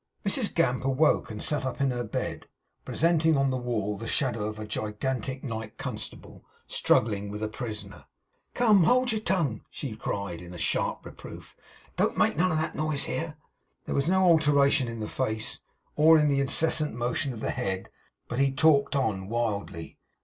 Mrs Gamp awoke, and sat up in her bed; presenting on the wall the shadow of a gigantic night constable, struggling with a prisoner. 'Come! Hold your tongue!' she cried, in sharp reproof. 'Don't make none of that noise here.' There was no alteration in the face, or in the incessant motion of the head, but he talked on wildly.